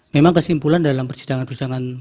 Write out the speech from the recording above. memang kesimpulan dalam persidangan persidangan